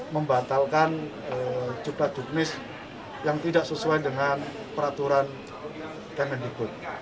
membatalkan jumlah juknis yang tidak sesuai dengan peraturan kemendikbud